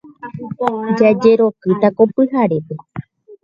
Jajerokýtapa ko pyhare.